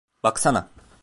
Baksana.